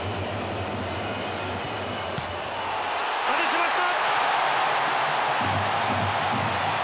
外しました。